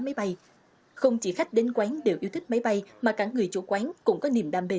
máy bay không chỉ khách đến quán đều yêu thích máy bay mà cả người chủ quán cũng có niềm đam mê